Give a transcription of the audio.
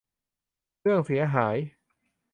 เรื่องเสียหาย